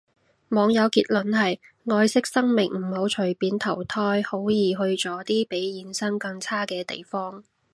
網友結論係，愛惜生命唔好隨便投胎，好易去咗啲比現生更差嘅地方